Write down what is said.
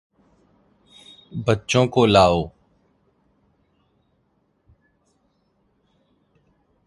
बच्चों को लाओ।